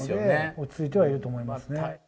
落ち着いてはいると思います